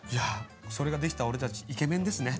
それができた俺たちイケ麺ですね！